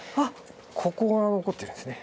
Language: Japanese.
ここが残ってるんですね。